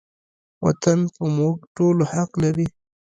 وطن په موږ ټولو حق لري